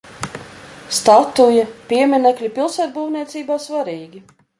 Statuja, pieminekļi pilsētbūvniecībā svarīgi.